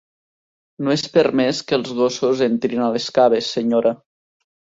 No és permès que els gossos entrin a les Caves, senyora.